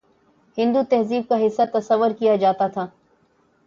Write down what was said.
ہندو تہذیب کا حصہ تصور کیا جاتا تھا